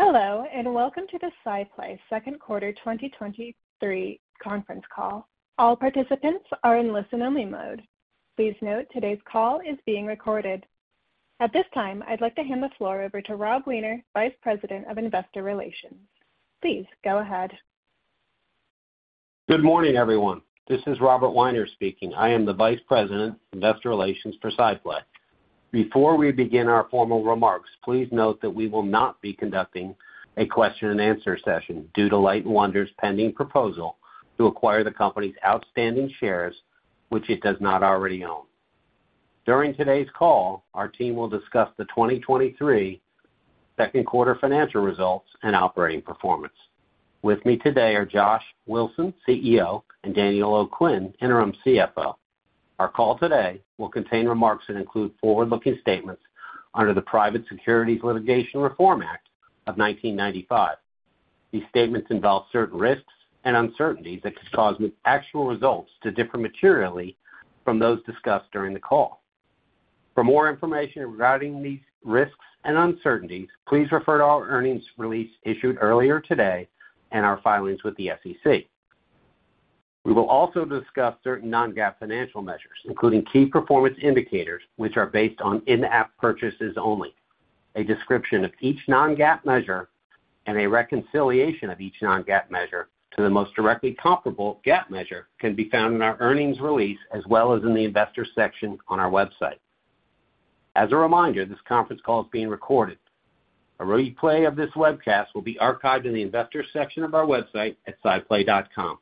Hello, and welcome to the SciPlay second quarter 2023 conference call. All participants are in listen-only mode. Please note, today's call is being recorded. At this time, I'd like to hand the floor over to Robert Weiner, Vice President of Investor Relations. Please go ahead. Good morning, everyone. This is Robert Weiner speaking. I am the Vice President, Investor Relations for SciPlay. Before we begin our formal remarks, please note that we will not be conducting a question-and-answer session due to Light & Wonder's pending proposal to acquire the company's outstanding shares, which it does not already own. During today's call, our team will discuss the 2023 second quarter financial results and operating performance. With me today are Josh Wilson, CEO, and Daniel O'Quinn, Interim CFO. Our call today will contain remarks that include forward-looking statements under the Private Securities Litigation Reform Act of 1995. These statements involve certain risks and uncertainties that could cause the actual results to differ materially from those discussed during the call. For more information regarding these risks and uncertainties, please refer to our earnings release issued earlier today and our filings with the SEC. We will also discuss certain non-GAAP financial measures, including key performance indicators, which are based on in-app purchases only. A description of each non-GAAP measure and a reconciliation of each non-GAAP measure to the most directly comparable GAAP measure can be found in our earnings release, as well as in the Investors section on our website. As a reminder, this conference call is being recorded. A replay of this webcast will be archived in the Investors section of our website at sciplay.com.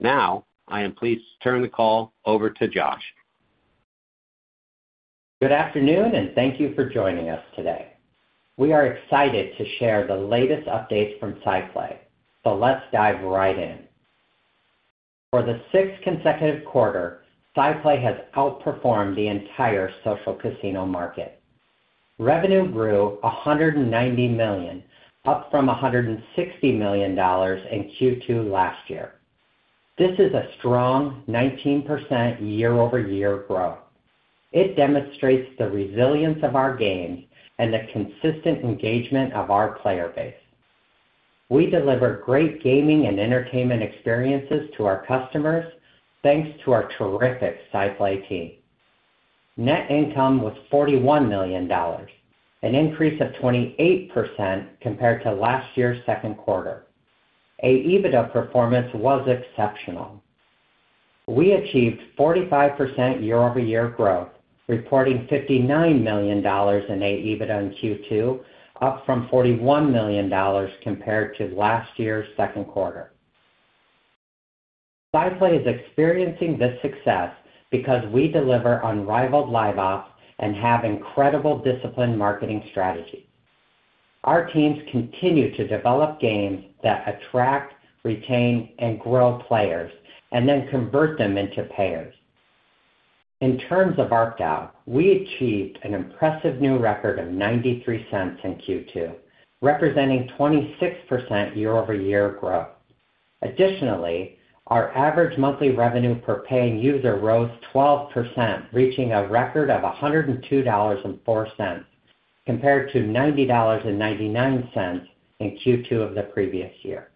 Now, I am pleased to turn the call over to Josh. Good afternoon, thank you for joining us today. We are excited to share the latest updates from SciPlay, let's dive right in. For the sixth consecutive quarter, SciPlay has outperformed the entire social casino market. Revenue grew $190 million, up from $160 million in Q2 last year. This is a strong 19% year-over-year growth. It demonstrates the resilience of our games and the consistent engagement of our player base. We deliver great gaming and entertainment experiences to our customers, thanks to our terrific SciPlay team. Net income was $41 million, an increase of 28% compared to last year's second quarter. AEBITDA performance was exceptional. We achieved 45% year-over-year growth, reporting $59 million in AEBITDA in Q2, up from $41 million compared to last year's second quarter. SciPlay is experiencing this success because we deliver unrivaled Live Ops and have incredible disciplined marketing strategy. Our teams continue to develop games that attract, retain, and grow players, and then convert them into payers. In terms of ARPDAU, we achieved an impressive new record of $0.93 in Q2, representing 26% year-over-year growth. Additionally, our average monthly revenue per paying user rose 12%, reaching a record of $102.04, compared to $90.99 in Q2 of the previous year.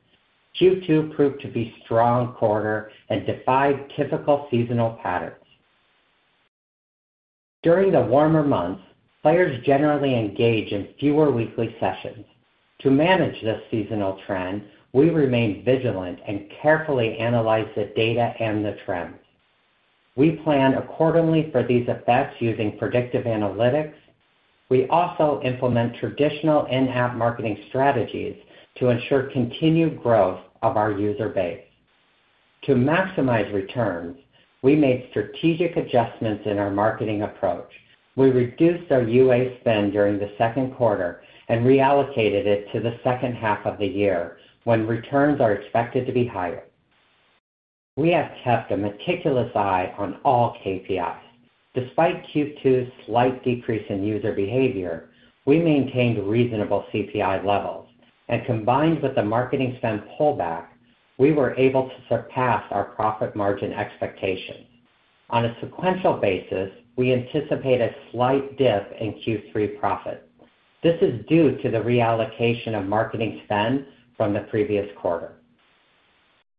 Q2 proved to be a strong quarter and defied typical seasonal patterns. During the warmer months, players generally engage in fewer weekly sessions. To manage this seasonal trend, we remain vigilant and carefully analyze the data and the trends. We plan accordingly for these effects using predictive analytics. We also implement traditional in-app marketing strategies to ensure continued growth of our user base. To maximize returns, we made strategic adjustments in our marketing approach. We reduced our UA spend during the second quarter and reallocated it to the second half of the year, when returns are expected to be higher. We have kept a meticulous eye on all KPIs. Despite Q2's slight decrease in user behavior, we maintained reasonable CPI levels, and combined with the marketing spend pullback, we were able to surpass our profit margin expectations. On a sequential basis, we anticipate a slight dip in Q3 profit. This is due to the reallocation of marketing spend from the previous quarter.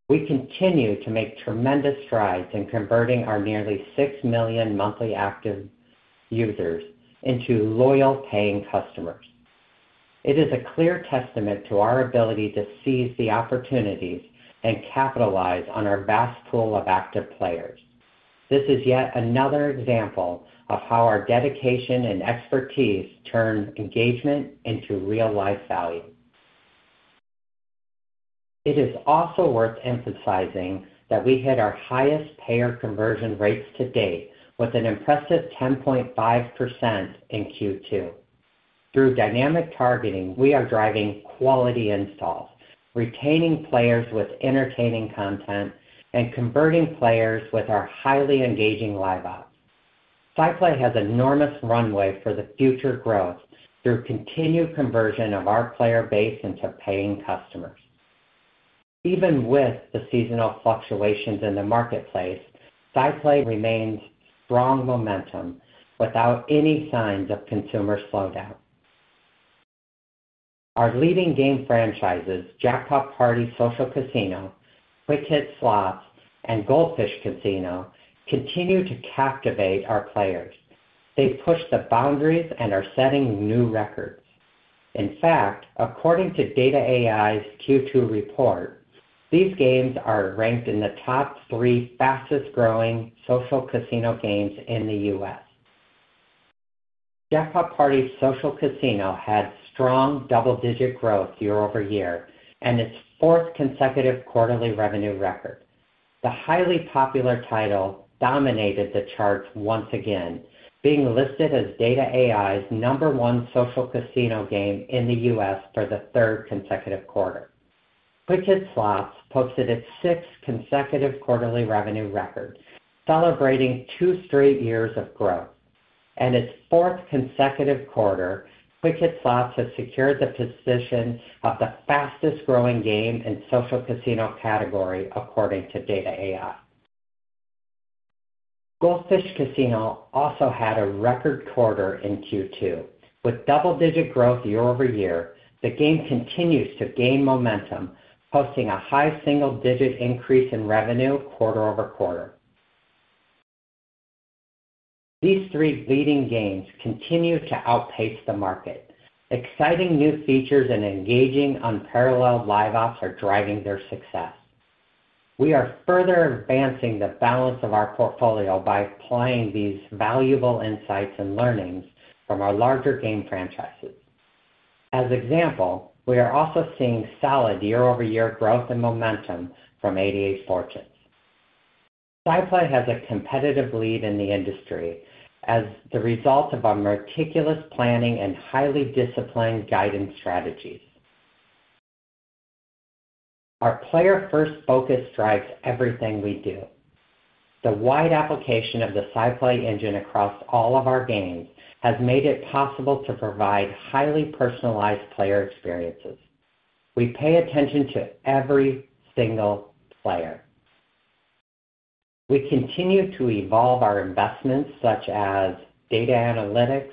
We continue to make tremendous strides in converting our nearly $6 million monthly active users into loyal, paying customers. It is a clear testament to our ability to seize the opportunities and capitalize on our vast pool of active players. This is yet another example of how our dedication and expertise turn engagement into real-life value. It is also worth emphasizing that we hit our highest payer conversion rates to date with an impressive 10.5% in Q2. Through dynamic targeting, we are driving quality installs, retaining players with entertaining content, and converting players with our highly engaging live ops. SciPlay has enormous runway for the future growth through continued conversion of our player base into paying customers. Even with the seasonal fluctuations in the marketplace, SciPlay remains strong momentum without any signs of consumer slowdown. Our leading game franchises, Jackpot Party Social Casino, Quick Hit Slots, and Gold Fish Casino, continue to captivate our players. They push the boundaries and are setting new records. In fact, according to Data.ai's Q2 report, these games are ranked in the top three fastest-growing social casino games in the US. Jackpot Party Social Casino had strong double-digit growth year-over-year and its fourth consecutive quarterly revenue record. The highly popular title dominated the charts once again, being listed as Data.ai's number one social casino game in the U.S. for the third consecutive quarter. Quick Hit Slots posted its sixth consecutive quarterly revenue record, celebrating two straight years of growth, and its fourth consecutive quarter, Quick Hit Slots has secured the position of the fastest-growing game in social casino category, according to Data.ai. Gold Fish Casino also had a record quarter in Q2. With double-digit growth year-over-year, the game continues to gain momentum, posting a high single-digit increase in revenue quarter over quarter. These three leading games continue to outpace the market. Exciting new features and engaging unparalleled Live Ops are driving their success. We are further advancing the balance of our portfolio by applying these valuable insights and learnings from our larger game franchises. As example, we are also seeing solid year-over-year growth and momentum from 88 Fortunes. SciPlay has a competitive lead in the industry as the result of our meticulous planning and highly disciplined guidance strategies. Our player-first focus drives everything we do. The wide application of the SciPlay Engine across all of our games has made it possible to provide highly personalized player experiences. We pay attention to every single player. We continue to evolve our investments, such as data analytics,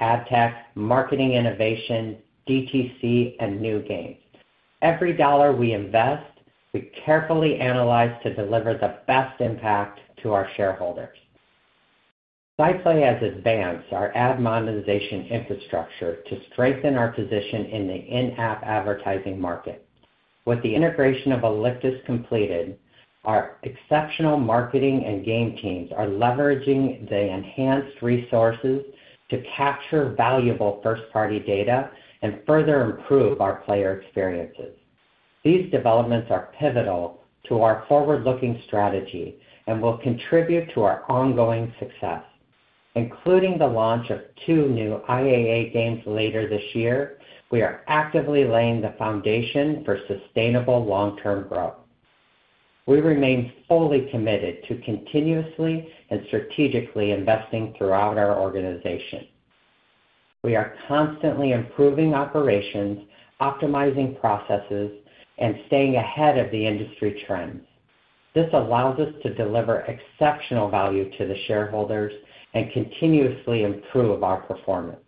ad tech, marketing innovation, DTC, and new games. Every dollar we invest, we carefully analyze to deliver the best impact to our shareholders. SciPlay has advanced our ad monetization infrastructure to strengthen our position in the in-app advertising market. With the integration of Alictus completed, our exceptional marketing and game teams are leveraging the enhanced resources to capture valuable first-party data and further improve our player experiences. These developments are pivotal to our forward-looking strategy and will contribute to our ongoing success, including the launch of two new IAA games later this year, we are actively laying the foundation for sustainable long-term growth. We remain fully committed to continuously and strategically investing throughout our organization. We are constantly improving operations, optimizing processes, and staying ahead of the industry trends. This allows us to deliver exceptional value to the shareholders and continuously improve our performance.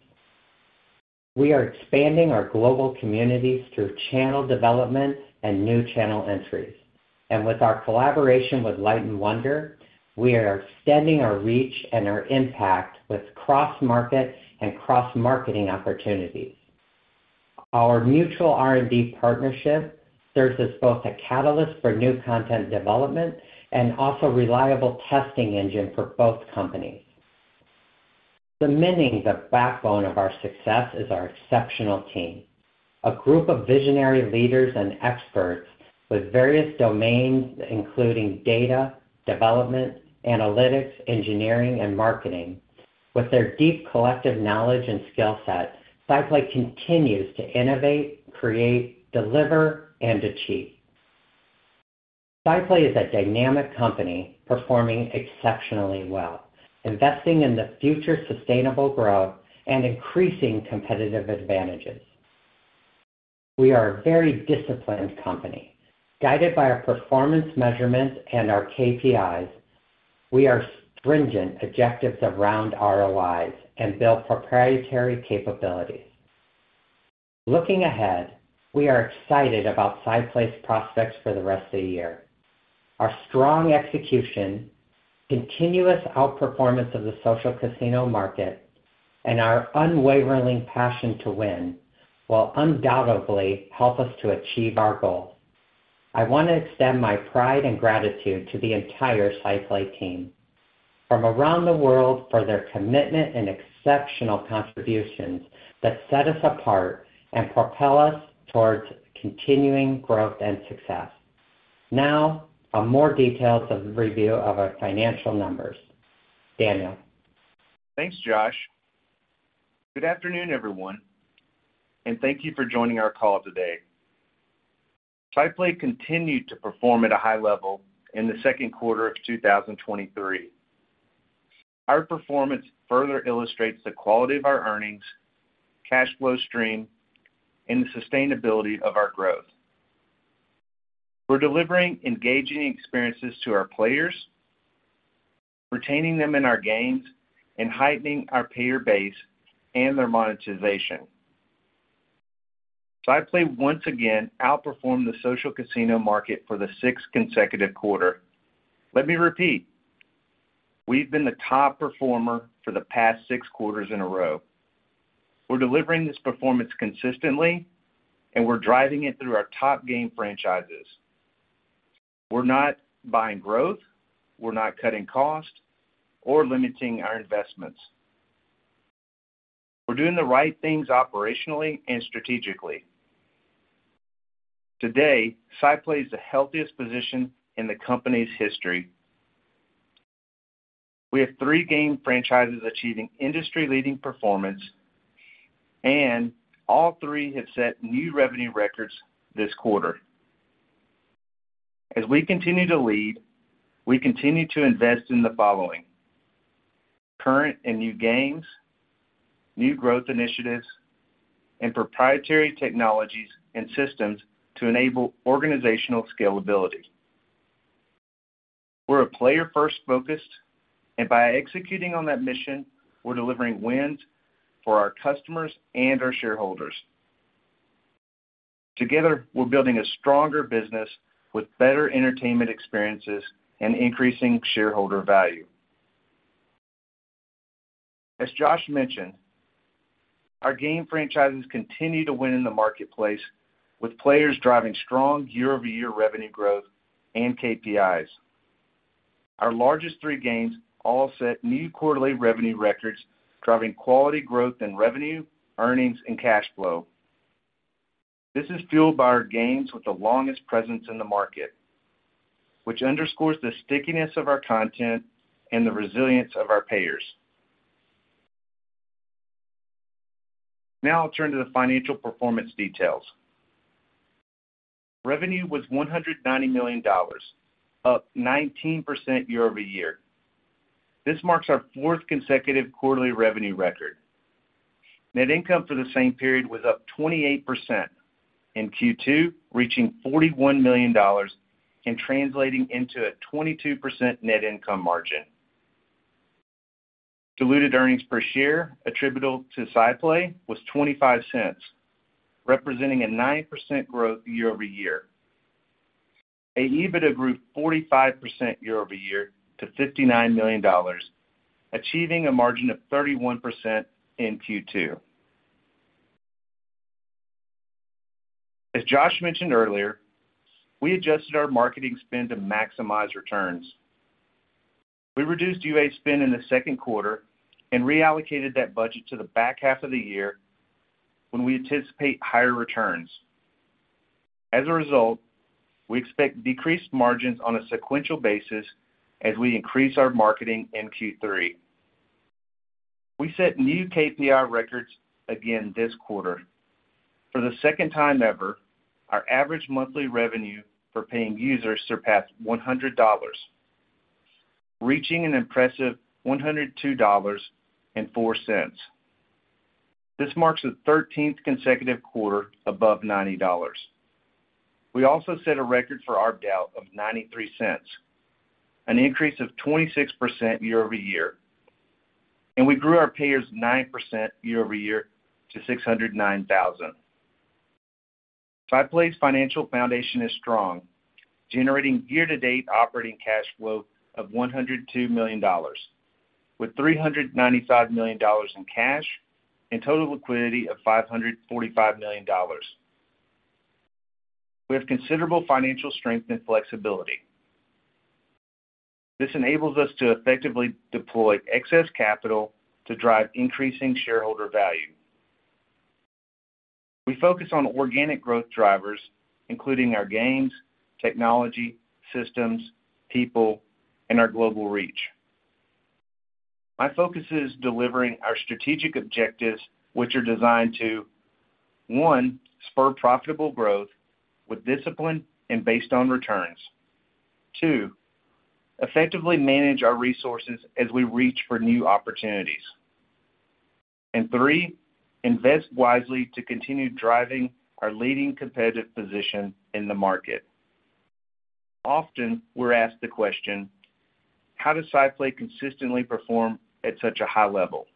We are expanding our global communities through channel development and new channel entries, and with our collaboration with Light & Wonder, we are extending our reach and our impact with cross-market and cross-marketing opportunities. Our mutual R&D partnership serves as both a catalyst for new content development and also reliable testing engine for both companies. The backbone of our success is our exceptional team, a group of visionary leaders and experts with various domains, including data, development, analytics, engineering, and marketing. With their deep collective knowledge and skill set, SciPlay continues to innovate, create, deliver, and achieve. SciPlay is a dynamic company performing exceptionally well, investing in the future, sustainable growth and increasing competitive advantages. We are a very disciplined company, guided by our performance measurements and our KPIs. We are stringent objectives around ROIs and build proprietary capabilities. Looking ahead, we are excited about SciPlay's prospects for the rest of the year. Our strong execution, continuous outperformance of the social casino market, and our unwavering passion to win will undoubtedly help us to achieve our goal. I want to extend my pride and gratitude to the entire SciPlay team from around the world for their commitment and exceptional contributions that set us apart and propel us towards continuing growth and success. Now, a more detailed review of our financial numbers. Daniel? Thanks, Josh. Good afternoon, everyone, and thank you for joining our call today. SciPlay continued to perform at a high level in the second quarter of 2023. Our performance further illustrates the quality of our earnings, cash flow stream, and the sustainability of our growth. We're delivering engaging experiences to our players, retaining them in our games, and heightening our payer base and their monetization. SciPlay once again outperformed the social casino market for the sixth consecutive quarter. Let me repeat, we've been the top performer for the past six quarters in a row. We're delivering this performance consistently, and we're driving it through our top game franchises. We're not buying growth, we're not cutting costs or limiting our investments. We're doing the right things operationally and strategically. Today, SciPlay is the healthiest position in the company's history. We have three game franchises achieving industry-leading performance, and all three have set new revenue records this quarter. As we continue to lead, we continue to invest in the following: current and new games, new growth initiatives, and proprietary technologies and systems to enable organizational scalability. We're a player-first focused, and by executing on that mission, we're delivering wins for our customers and our shareholders. Together, we're building a stronger business with better entertainment experiences and increasing shareholder value. As Josh mentioned, our game franchises continue to win in the marketplace, with players driving strong year-over-year revenue growth and KPIs. Our largest three games all set new quarterly revenue records, driving quality growth in revenue, earnings, and cash flow. This is fueled by our games with the longest presence in the market, which underscores the stickiness of our content and the resilience of our payers. Now I'll turn to the financial performance details. Revenue was $190 million, up 19% year-over-year. This marks our fourth consecutive quarterly revenue record. Net income for the same period was up 28% in Q2, reaching $41 million and translating into a 22% net income margin. Diluted earnings per share attributable to SciPlay was $0.25, representing a 9% growth year-over-year. AEBITDA grew 45% year-over-year to $59 million, achieving a margin of 31% in Q2. As Josh mentioned earlier, we adjusted our marketing spend to maximize returns. We reduced UA spend in the second quarter and reallocated that budget to the back half of the year when we anticipate higher returns. As a result, we expect decreased margins on a sequential basis as we increase our marketing in Q3. We set new KPI records again this quarter. For the second time ever, our average monthly revenue for paying users surpassed $100, reaching an impressive $102.04. This marks the 13th consecutive quarter above $90. We also set a record for ARPDAU of $0.93, an increase of 26% year-over-year, and we grew our payers 9% year-over-year to 609,000. SciPlay's financial foundation is strong, generating year-to-date operating cash flow of $102 million, with $395 million in cash and total liquidity of $545 million. We have considerable financial strength and flexibility. This enables us to effectively deploy excess capital to drive increasing shareholder value. We focus on organic growth drivers, including our games, technology, systems, people, and our global reach. My focus is delivering our strategic objectives, which are designed to, one, spur profitable growth with discipline and based on returns. Two, effectively manage our resources as we reach for new opportunities. three, invest wisely to continue driving our leading competitive position in the market. Often, we're asked the question: How does SciPlay consistently perform at such a high level?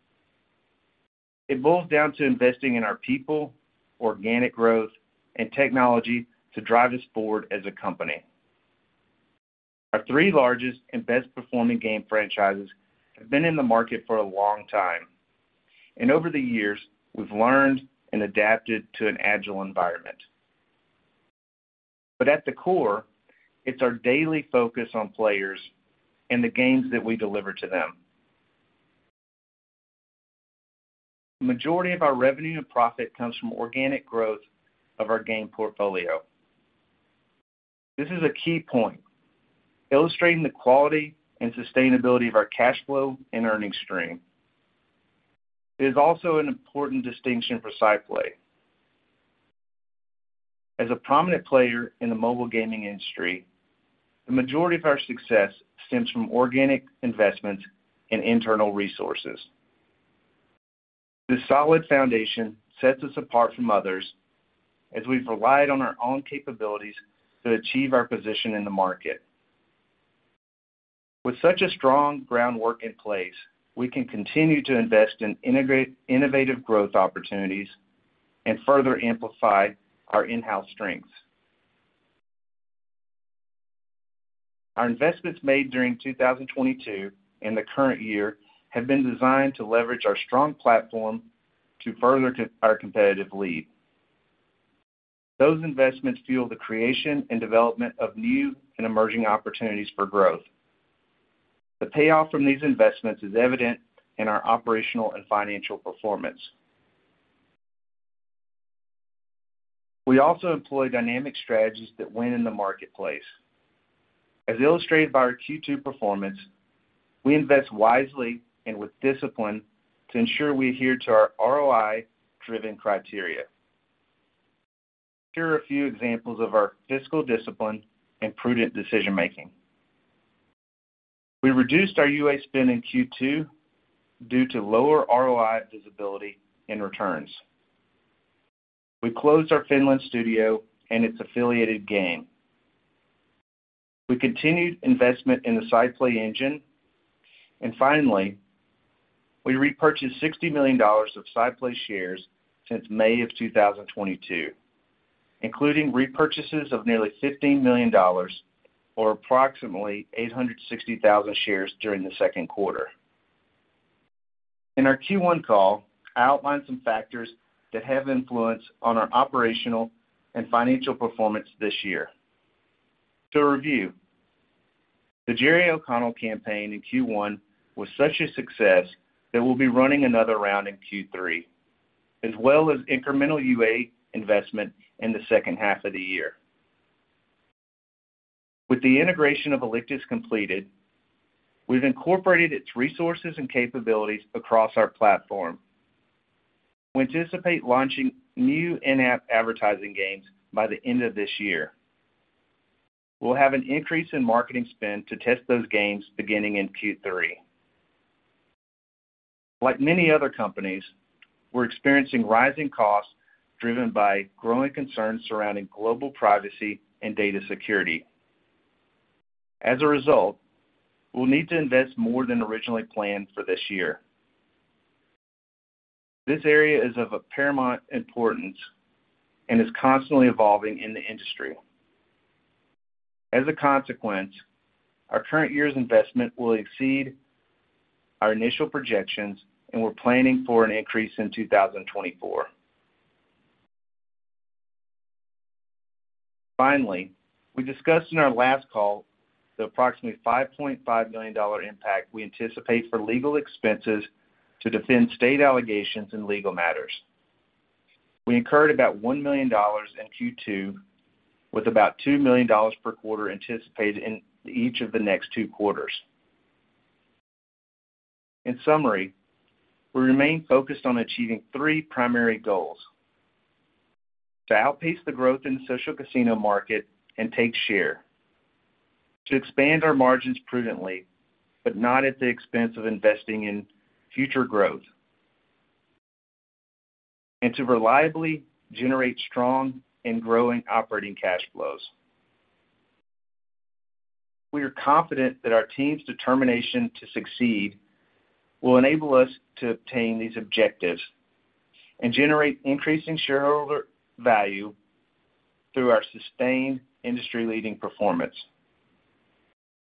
It boils down to investing in our people, organic growth, and technology to drive us forward as a company. At the core, it's our daily focus on players and the games that we deliver to them. Our three largest and best-performing game franchises have been in the market for a long time, and over the years, we've learned and adapted to an agile environment. Majority of our revenue and profit comes from organic growth of our game portfolio. This is a key point illustrating the quality and sustainability of our cash flow and earnings stream. It is also an important distinction for SciPlay. A prominent player in the mobile gaming industry, the majority of our success stems from organic investments and internal resources. This solid foundation sets us apart from others, as we've relied on our own capabilities to achieve our position in the market. With such a strong groundwork in place, we can continue to invest in innovative growth opportunities and further amplify our in-house strengths. Our investments made during 2022 and the current year have been designed to leverage our strong platform to further our competitive lead. Those investments fuel the creation and development of new and emerging opportunities for growth. The payoff from these investments is evident in our operational and financial performance. We also employ dynamic strategies that win in the marketplace. As illustrated by our Q2 performance, we invest wisely and with discipline to ensure we adhere to our ROI-driven criteria. Here are a few examples of our fiscal discipline and prudent decision-making. We reduced our UA spend in Q2 due to lower ROI visibility and returns. We closed our Finland studio and its affiliated game. Finally, we continued investment in the SciPlay Engine, and we repurchased $60 million of SciPlay shares since May of 2022, including repurchases of nearly $15 million or approximately 860,000 shares during the second quarter. In our Q1 call, I outlined some factors that have influence on our operational and financial performance this year. To review, the Jerry O'Connell campaign in Q1 was such a success that we'll be running another round in Q3, as well as incremental UA investment in the second half of the year. With the integration of Alictus completed, we've incorporated its resources and capabilities across our platform. We anticipate launching new in-app advertising games by the end of this year. We'll have an increase in marketing spend to test those games beginning in Q3. Like many other companies, we're experiencing rising costs, driven by growing concerns surrounding global privacy and data security. As a result, we'll need to invest more than originally planned for this year. This area is of paramount importance and is constantly evolving in the industry. As a consequence, our current year's investment will exceed our initial projections, and we're planning for an increase in 2024. Finally, we discussed in our last call the approximately $5.5 million impact we anticipate for legal expenses to defend state allegations and legal matters. We incurred about $1 million in Q2, with about $2 million per quarter anticipated in each of the next two quarters. In summary, we remain focused on achieving three primary goals: to outpace the growth in the social casino market and take share, to expand our margins prudently, but not at the expense of investing in future growth, and to reliably generate strong and growing operating cash flows. We are confident that our team's determination to succeed will enable us to obtain these objectives and generate increasing shareholder value through our sustained industry-leading performance.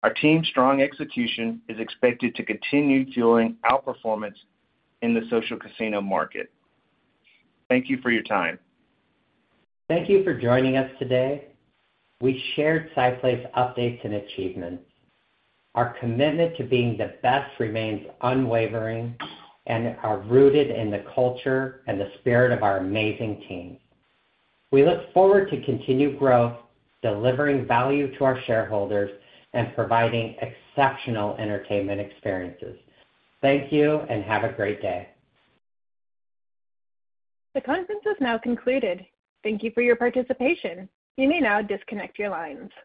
Our team's strong execution is expected to continue fueling outperformance in the social casino market. Thank you for your time. Thank you for joining us today. We shared SciPlay's updates and achievements. Our commitment to being the best remains unwavering and are rooted in the culture and the spirit of our amazing team. We look forward to continued growth, delivering value to our shareholders, and providing exceptional entertainment experiences. Thank you, and have a great day. The conference has now concluded. Thank you for your participation. You may now disconnect your lines.